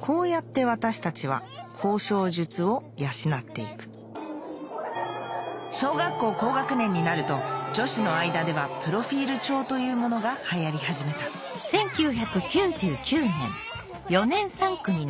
こうやって私たちは交渉術を養っていく小学校高学年になると女子の間ではプロフィール帳というものが流行り始めた１位は『タイタニック』だよねこれは確定。